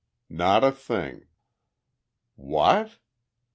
"Not a thing!" "What?"